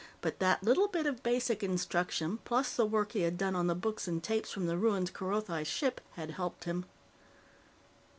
But that little bit of basic instruction, plus the work he had done on the books and tapes from the ruined Kerothi ship, had helped him.